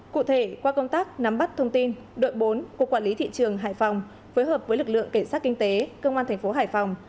cụ thể qua công tác nắm bắt thông tin đội bốn của quản lý thị trường hải phòng phối hợp với lực lượng cảnh sát kinh tế công an thành phố hải phòng